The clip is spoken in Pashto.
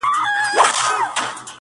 له هيبته به يې تښتېدل پوځونه!.